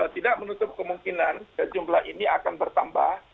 tidak menutup kemungkinan jumlah ini akan bertambah